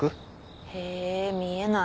へぇ見えない。